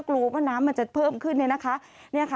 กลัวว่าน้ำมันจะเพิ่มขึ้นเนี่ยนะคะ